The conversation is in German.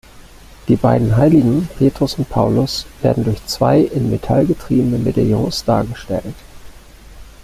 Die beiden Heiligen Petrus und Paulus werden durch zwei in Metall getriebene Medaillons dargestellt.